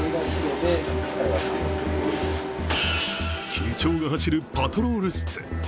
緊張が走るパトロール室。